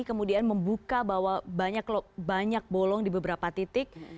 kemudian membuka bahwa banyak bolong di beberapa titik